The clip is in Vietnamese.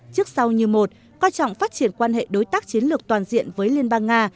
trước sau như một coi trọng phát triển quan hệ đối tác chiến lược toàn diện với liên bang nga